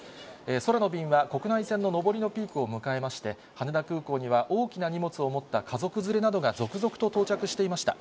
空の便は国内線の上りのピークを迎えまして、羽田空港には、多くの荷物を持った家族連れなどが続々と到着していました。